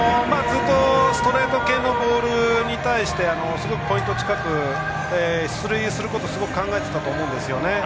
ずっとストレート系のボールに対してすごくポイント近く出塁することをすごく考えていたと思うんですね。